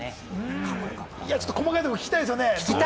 細かいところを聞きたいですよね。